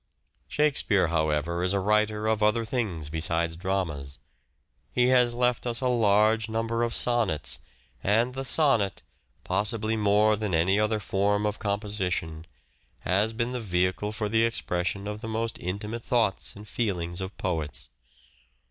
Shakespeare, however, is a writer of other things besides dramas. He has left us a large number of sonnets, and the sonnet, possibly more than any other form of composition, has been the vehicle for the expression of the most intimate thoughts and feelings of poets.